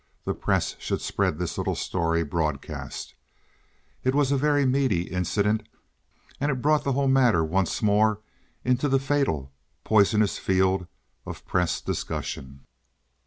The press should spread this little story broadcast. It was a very meaty incident; and it brought the whole matter once more into the fatal, poisonous field of press discussion.